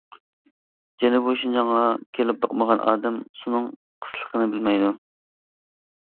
جەنۇبىي شىنجاڭغا كېلىپ باقمىغان ئادەم سۇنىڭ قىسلىقىنى بىلمەيدۇ.